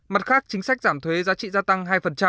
mặt khác chính sách giảm thuế giá trị gia tăng hai